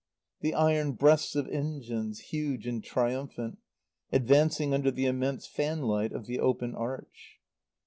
The iron breasts of engines, huge and triumphant, advancing under the immense fanlight of the open arch.